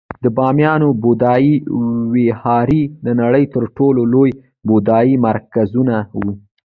د بامیانو بودایي ویهارې د نړۍ تر ټولو لوی بودایي مرکزونه وو